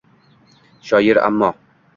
Shoir ammo